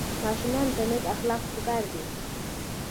ماشومانو ته نیک اخلاق په کار دي.